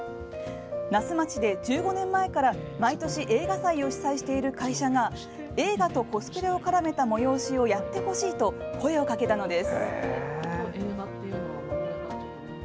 那須町で１５年前から毎年映画祭を主催している会社が映画とコスプレを絡めた催しをやってほしいと声をかけたのです。